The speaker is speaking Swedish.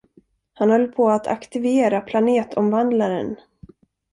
Han håller på att aktivera planetomvandlaren.